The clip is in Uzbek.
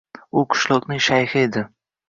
U qishloqning shayxi edi